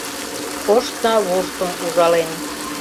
Коштна вурсым ужален